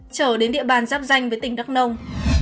trở đến địa bàn giáp danh với tỉnh đắk nông